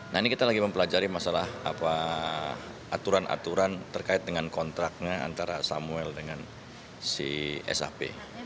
nah ini kita lagi mempelajari masalah aturan aturan terkait dengan kontraknya antara samuel dengan si sap